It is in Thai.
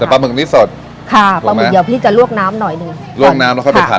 แต่ปลาหมึกนี้สดค่ะปลาหมึกเดี๋ยวพี่จะลวกน้ำหน่อยหนึ่งลวกน้ำแล้วค่อยไปผั